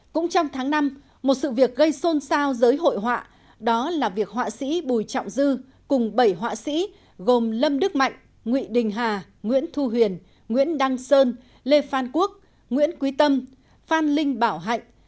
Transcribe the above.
cũng trong tháng năm một sự việc gây xôn xao giới hội họa đó là việc họa sĩ bùi trọng dư cùng bảy họa sĩ gồm lâm đức mạnh nguyễn đình hà nguyễn thu huyền nguyễn đăng sơn lê phan quốc nguyễn quý tâm phan linh bảo hạnh